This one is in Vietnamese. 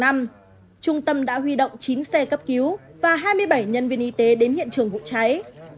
trung tâm đã huy động chín xe cấp cứu và hai mươi bảy nhân viên y tế đến hiện trường vụ cháy